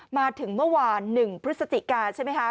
มาถึงเมื่อวาน๑พฤศจิกาใช่ไหมคะ